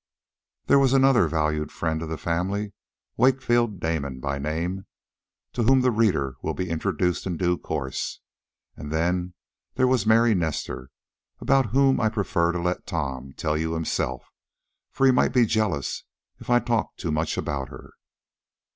There was another valued friend of the family, Wakefield Damon by name, to whom the reader will be introduced in due course. And then there was Mary Nestor, about whom I prefer to let Tom tell you himself, for he might be jealous if I talked too much about her.